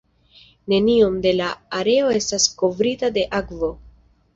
Neniom da la areo estas kovrita de akvo.